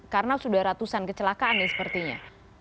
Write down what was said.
karena sudah ratusan kecelakaan ya sepertinya